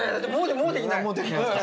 もうできないですか。